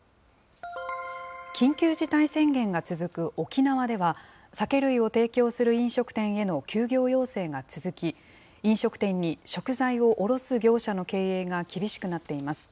緊急事態宣言が続く沖縄では、酒類を提供する飲食店への休業要請が続き、飲食店に食材を卸す業者の経営が厳しくなっています。